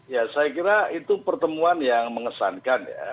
ya saya kira itu pertemuan yang mengesankan ya